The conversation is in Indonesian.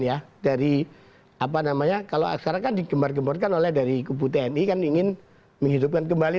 ya dari apa namanya kalau asalkan digemar gemarkan oleh dari kubu tni kan ingin menghidupkan kembali